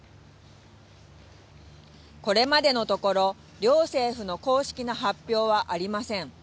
これまでのところ、両政府の公式な発表はありません。